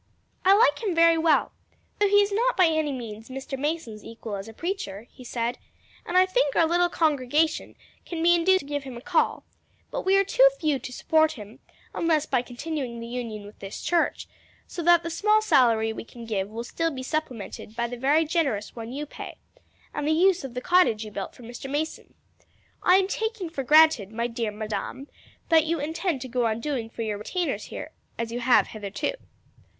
"I like him very well, though he is not by any means Mr. Mason's equal as a preacher," he said, "and I think our little congregation can be induced to give him a call; but we are too few to support him unless by continuing the union with this church, so that the small salary we can give will still be supplemented by the very generous one you pay, and the use of the cottage you built for Mr. Mason. I am taking for granted, my dear Madame, that you intend to go on doing for your retainers here as you have hitherto."